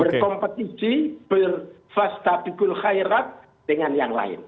berkompetisi berfastabikul khairat dengan yang lain